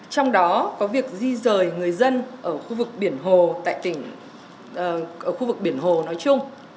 trong đó có việc di rời người dân ở khu vực biển hồ nói chung